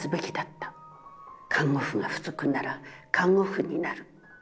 看護婦が不足なら看護婦になる。